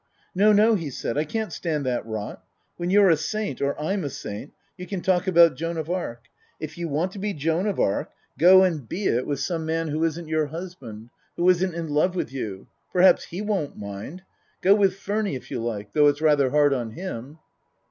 " No, no," he said. " I can't stand that rot. When you're a saint or I'm a saint you can talk about Joan of Arc. If you want to be Joan of Arc go and be it with some 318 Tasker Jevons man who isn't your husband who isn't in love with you. Perhaps he won't mind. Go with Furny if you like, though it's rather hard on him."